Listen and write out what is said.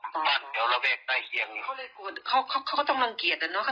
บ้านเดี๋ยวระเวกใต้เขียงเขาเลยกลัวเขาเขาเขาต้องรังเกียจอ่ะเนอะ